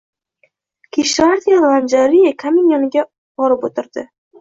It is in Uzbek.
Kishvardi Lomjariya kamin yoniga borib oʻtirdi.